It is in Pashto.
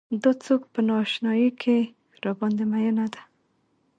دا څوک په نا اشنايۍ کې راباندې مينه ده.